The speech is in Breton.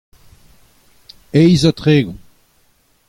eizh ha tregont.